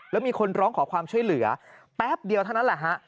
แล้วมีคนร้องขอความช่วยเหลือแป๊บเดียวเท่านั้นแหละฮะ